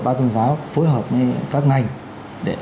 ban tôn giáo phối hợp với các ngành để